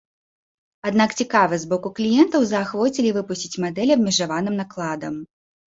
Аднак цікавасць з боку кліентаў заахвоцілі выпусціць мадэль абмежаваным накладам.